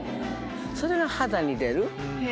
それが肌に出る。